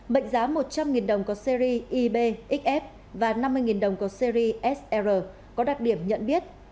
mệnh giá một trăm linh đồng có series ib xf và năm mươi đồng có series có đặc điểm nhận biết